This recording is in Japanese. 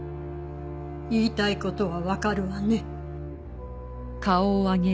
言いたい事はわかるわね？